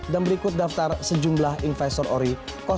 dan berikut daftar sejumlah investor ori empat belas